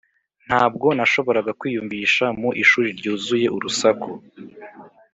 ntabwo nashoboraga kwiyumvisha mu ishuri ryuzuye urusaku.